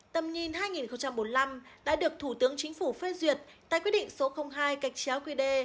tầm nhìn hai nghìn bốn mươi năm đã được thủ tướng chính phủ phê duyệt tại quyết định số hai gạch chéo quy đê